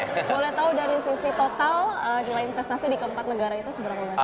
boleh tahu dari sisi total nilai investasi di keempat negara itu seberapa besar